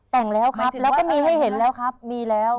แต่งแล้วครับแล้วก็มีให้เห็นแล้วครับมีแล้ว